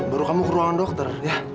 baru kamu ke ruangan dokter